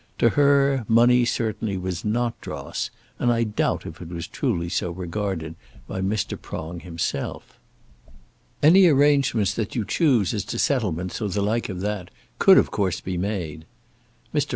To her money certainly was not dross, and I doubt if it was truly so regarded by Mr. Prong himself. "Any arrangements that you choose as to settlements or the like of that, could of course be made." Mr.